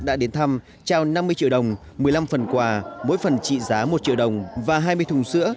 đã đến thăm trao năm mươi triệu đồng một mươi năm phần quà mỗi phần trị giá một triệu đồng và hai mươi thùng sữa